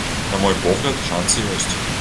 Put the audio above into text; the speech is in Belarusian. На мой погляд, шанцы ёсць.